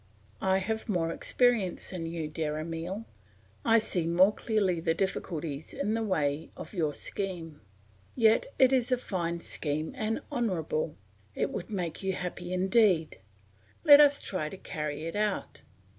"I have more experience than you, dear Emile; I see more clearly the difficulties in the way of your scheme. Yet it is a fine scheme and honourable; it would make you happy indeed. Let us try to carry it out.